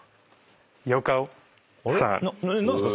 何ですか？